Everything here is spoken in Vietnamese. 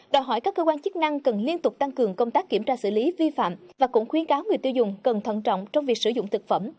đòi hỏi các cơ quan chức năng cần liên tục tăng cường công tác kiểm tra xử lý vi phạm và cũng khuyến cáo người tiêu dùng cẩn thận trọng trong việc sử dụng thực phẩm